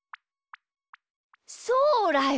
そうだよ！